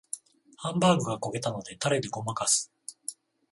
ハンバーグが焦げたのでタレでごまかす